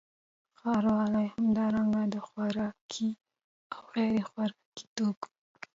ښاروال همدارنګه د خوراکي او غیرخوراکي توکو